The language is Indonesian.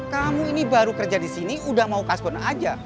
kamu ini baru kerja di sini udah mau kasbon aja